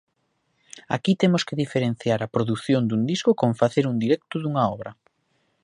Aquí temos que diferenciar a produción dun disco con facer un directo dunha obra.